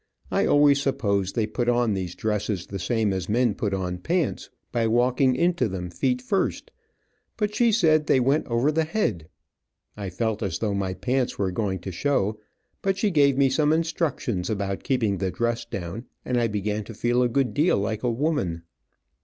I always supposed they put on these dresses the same as men put on pants, by walking into them feet first, but she said they went over the head. I felt as though my pants were going to show, but she gave me some instructions about keeping the dress down, and I began to feel a good deal like a woman.